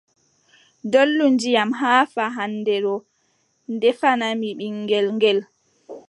Dollu ndiyam haa fahannde ɗoo ndefanaami ɓiŋngel ngel,